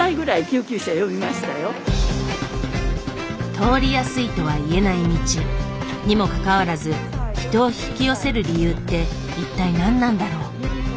通りやすいとはいえない道。にもかかわらず人を引き寄せる理由って一体何なんだろう？